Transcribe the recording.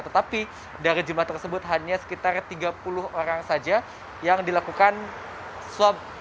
tetapi dari jumlah tersebut hanya sekitar tiga puluh orang saja yang dilakukan swab